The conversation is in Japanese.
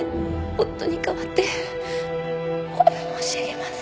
夫に代わっておわび申し上げます